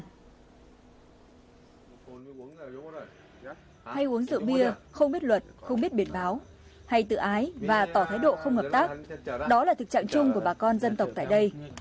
hay uống rượu bia không biết luật không biết biển báo hay tự ái và tỏ thái độ không hợp tác đó là thực trạng chung của bà con dân tộc tại đây